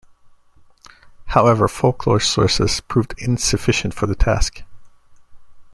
However folklore sources proved insufficient for the task.